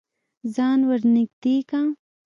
ځان ور نږدې که.